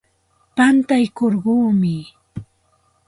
Pantaykurquumi.